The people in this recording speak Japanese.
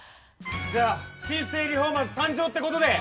じゃあ新生リフォーマーズ誕生ってことで。